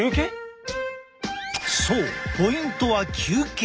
そうポイントは休憩。